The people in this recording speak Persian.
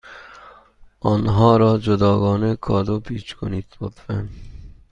آنها را جداگانه کادو پیچ کنید، لطفا.